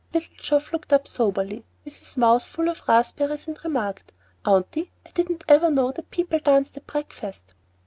Little Geoff looked up soberly, with his mouth full of raspberries, and remarked, "Aunty, I didn't ever know that people danced at breakfast."